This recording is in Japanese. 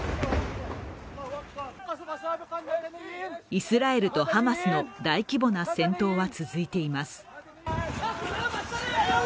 イスラエルとハマスの大規模な戦闘は続いています。